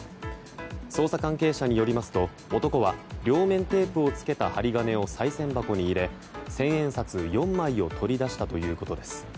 捜査関係者によりますと男は両面テープをつけた針金をさい銭箱に入れ、千円札４枚を取り出したということです。